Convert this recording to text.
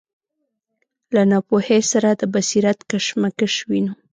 له ناپوهۍ سره د بصیرت کشمکش وینو.